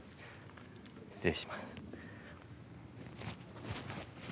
失礼します。